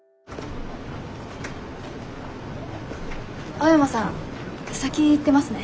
青山さん先行ってますね。